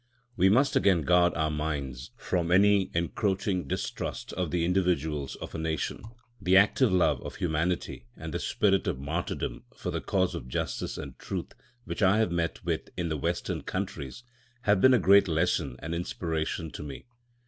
We must again guard our minds from any encroaching distrust of the individuals of a nation. The active love of humanity and the spirit of martyrdom for the cause of justice and truth which I have met with in the Western countries have been a great lesson and inspiration to me.